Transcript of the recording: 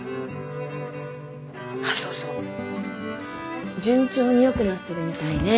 あっそうそう順調によくなってるみたいね。